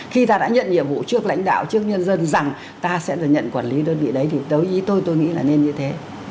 khi ta đã nhận nhiệm vụ trước lãnh đạo trước nhân dân rằng ta sẽ được nhận quản lý đơn vị đấy thì tới ý tôi tôi nghĩ là nên như thế